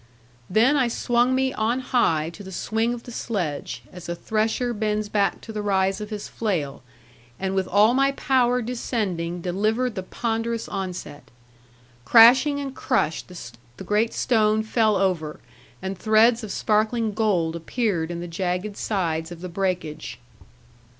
Then I swung me on high to the swing of the sledge, as a thresher bends back to the rise of his flail, and with all my power descending delivered the ponderous onset. Crashing and crushed the great stone fell over, and threads of sparkling gold appeared in the jagged sides of the breakage.